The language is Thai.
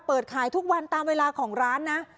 เปิดขายทุกวันตามเวลาของร้านนะ